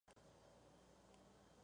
Las areolas cónicas no contienen látex.